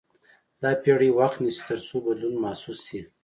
دا پېړۍ وخت نیسي تر څو بدلون محسوس شي.